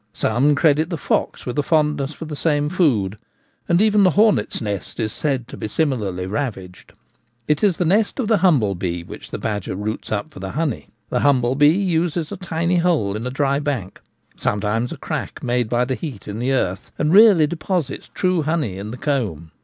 Some credit the fox with a fondness for the same food ; and even the hornet's nest is said to be similarly ravaged. It is the nest of the humble bee which the badger roots up for the honey. The humble bee uses a tiny hole in a dry bank, sometimes a crack 76 The Gamekeeper at Home. made by the heat in the earth, and really deposits true honey in the comb.